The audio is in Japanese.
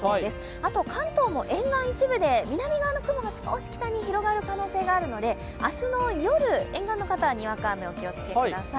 あと関東も沿岸一部で南側の雲が東に広がる可能性があるので明日の夜、沿岸の方はにわか雨にお気を付けください。